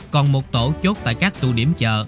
còn một tổ chốt tại các tù điểm chợ